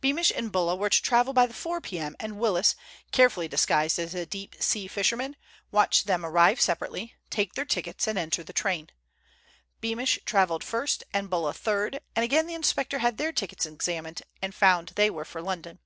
Beamish and Bulla were to travel by the 4 p.m., and Willis, carefully disguised as a deep sea fisherman, watched them arrive separately, take their tickets, and enter the train. Beamish travelled first, and Bulla third, and again the inspector had their tickets examined, and found they were for London.